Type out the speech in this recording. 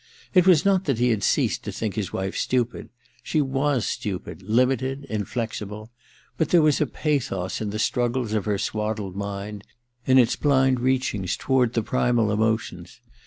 It was not that he had ceased to think his wife stupid : she was stupid, limited, inflexible ; but there was a pathos in the struggles of her swaddled mind, in its blind reachings toward the primal emotions.